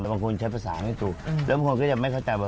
แต่บางคนใช้ภาษาไม่ถูกแล้วบางคนก็จะไม่เข้าใจว่า